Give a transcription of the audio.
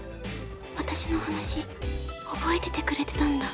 私の話覚えててくれてたんだ